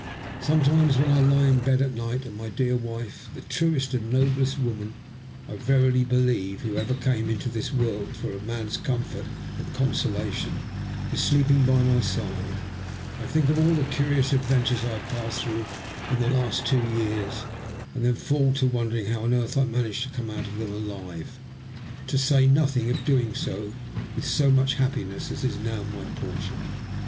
Sometimes ^hen I lie in bed at night, and my dear wife — the truest and noblest woman, I veiily believe, who ever came into this world for a man's comfort and consolation — is sleep ing by my side, I think of all the curious adventures I have passed through in the last two years, and then fall to wondering how on earth I managed to come out of them alive, to say nothing of doing so with so much happiness as is now my portion.